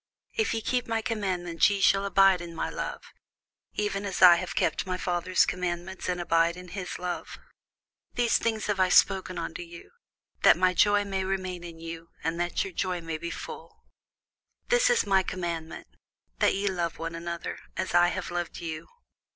If ye keep my commandments, ye shall abide in my love; even as I have kept my Father's commandments, and abide in his love. These things have I spoken unto you, that my joy might remain in you, and that your joy might be full. This is my commandment, That ye love one another, as I have loved you.